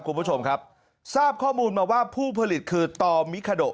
คุณผู้ชมครับทราบข้อมูลมาว่าผู้ผลิตคือตอมิคาโด